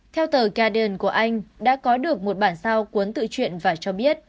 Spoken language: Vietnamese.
theo tờ guardian của anh đã có được một bản sao cuốn tự truyện và cho biết